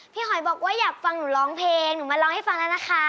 หอยบอกว่าอยากฟังหนูร้องเพลงหนูมาร้องให้ฟังแล้วนะคะ